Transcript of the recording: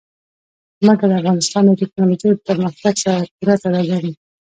ځمکه د افغانستان د تکنالوژۍ پرمختګ سره پوره تړاو لري.